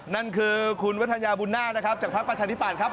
นั่นคือคุณวัฒนญาบุญน่าจากพระประชาธิปัตธิ์